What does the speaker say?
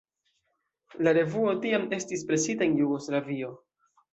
La revuo tiam estis presita en Jugoslavio.